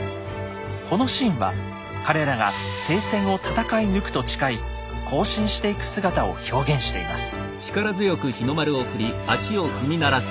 このシーンは彼らが聖戦を戦い抜くと誓い行進していく姿を表現しています。